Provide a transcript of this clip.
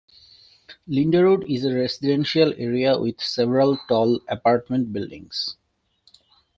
Linderud is a residential area, with several tall apartment buildings.